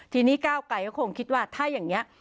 ทีนี้ก้าวไกลก็คงคิดว่าถ้าอย่างนี้